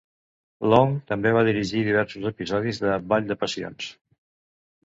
Long també va dirigir diversos episodis de "Vall de passions".